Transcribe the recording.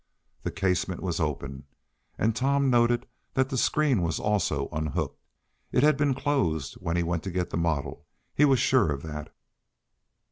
The casement was open, and Tom noted that the screen was also unhooked. It had been closed when he went to get the model, he was sure of that.